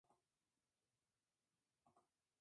Hojas basales y caulinares.